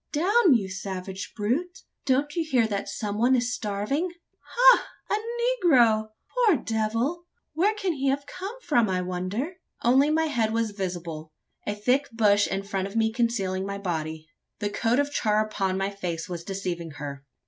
"Down, you savage brute! Don't you hear that some one is starving? Ha! a negro! Poor devil! where can he have come from, I wonder?" Only my head was visible a thick bush in front of me concealing my body. The coat of char upon my face was deceiving her.